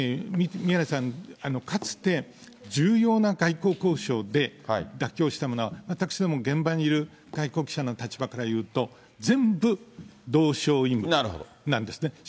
宮根さん、かつて、重要な外交交渉で妥協したものは、私ども現場にいる外交記者の立場からいうと、全部同床異夢なんですね。